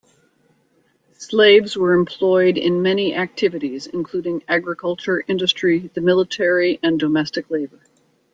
Slaves were employed in many activities, including agriculture, industry, the military, and domestic labor.